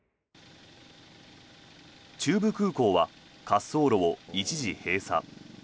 中部空港は滑走路を一時、閉鎖。